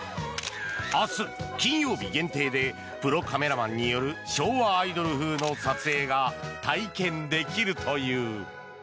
明日金曜日限定でプロカメラマンによる昭和アイドル風の撮影が体験できるという。